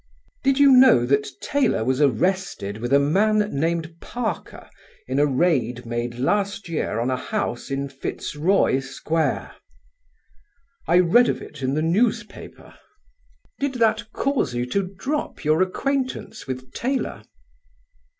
"Did you know that Taylor was arrested with a man named Parker in a raid made last year on a house in Fitzroy Square?" "I read of it in the newspaper." "Did that cause you to drop your acquaintance with Taylor?"